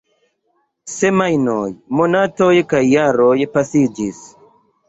Semajnoj, monatoj, kaj jaroj pasiĝis.